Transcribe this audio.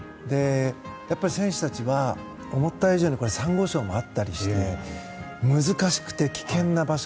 選手たちは、思った以上にサンゴ礁もあったりして難しくて危険な場所。